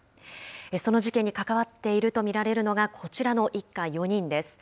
その事件に関わっていると見られるのが、こちらの一家４人です。